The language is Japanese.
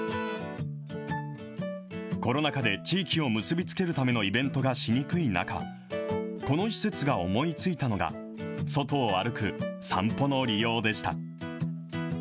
コロナ禍で地域を結び付けるためのイベントがしにくい中、この施設が思いついたのが、外を歩く散歩の利用でした。